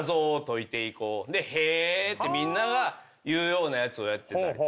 で「へぇ」ってみんなが言うようなやつやってたりとか。